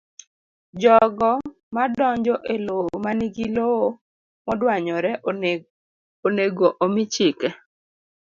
jogo madonjo e lowo ma nigi lowo modwanyore onego omi chike